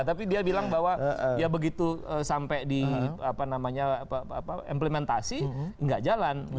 tapi dia bilang bahwa begitu sampai di implementasi nggak jalan